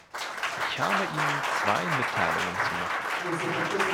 Ich habe Ihnen zwei Mitteilungen zu machen.